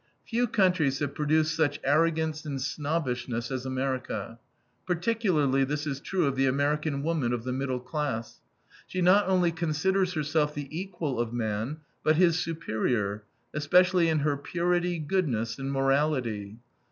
Few countries have produced such arrogance and snobbishness as America. Particularly this is true of the American woman of the middle class. She not only considers herself the equal of man, but his superior, especially in her purity, goodness, and morality.